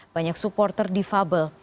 banyak supporter difabel